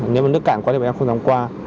nếu mà nước cạn quá thì mình không dám qua